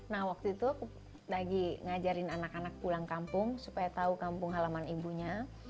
nah waktu itu aku lagi ngajarin anak anak pulang kampung supaya tahu kampung halaman ibunya